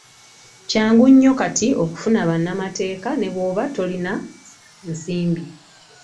Kyangu nnyo kati okufuna annamateeka ne bw'oba tolina nsimbi.